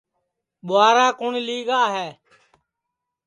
ٻوارا کُوٹؔ لی گا ہے